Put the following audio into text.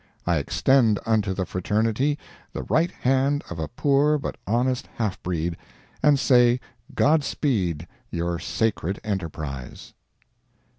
I extend unto the fraternity the right hand of a poor but honest half breed, and say God speed your sacred enterprise.